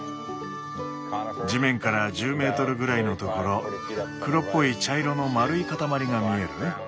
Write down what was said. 地面から１０メートルぐらいのところ黒っぽい茶色の丸い塊が見える？